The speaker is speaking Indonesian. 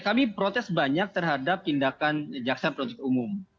kami protes banyak terhadap tindakan jaksa penuntut umum